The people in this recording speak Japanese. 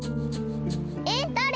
えっだれ？